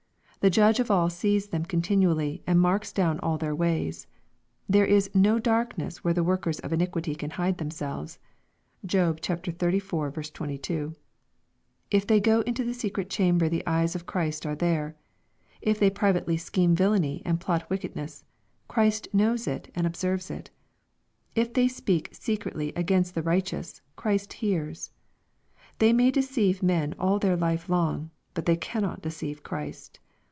The Judge of all sees them continually, and marks down all their ways. There is " no darkness where the workers of iniquity can hide themselves." (Job xxxiv. 22.) If they go into the secret chamber the eyes of Christ are there. If they privately scheme villainy and plot wickedness, Christ knows it and observes it. If they speak secretly against the righteous, Christ hears. They may deceive men all their life long, but they cannot deceive Christ.